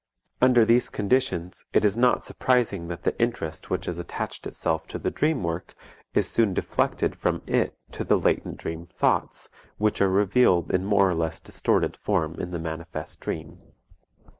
Under these conditions it is not surprising that the interest which has attached itself to the dream work is soon deflected from it to the latent dream thoughts which are revealed in more or less distorted form in the manifest dream.